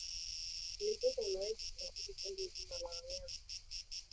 Mlipuko unaweza kuathiri kundi zima la wanyama